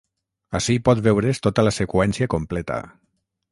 Ací pot veure’s tota la seqüència completa.